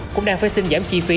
cũng đang phê xếp